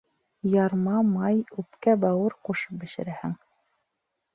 Ярма, май, үпкә-бауыр ҡушып бешерәһең.